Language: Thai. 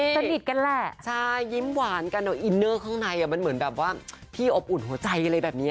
สนิทกันแหละใช่ยิ้มหวานกันอินเนอร์ข้างในมันเหมือนแบบว่าพี่อบอุ่นหัวใจอะไรแบบนี้